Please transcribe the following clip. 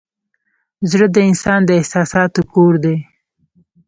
زړه د انسان د احساساتو کور دی.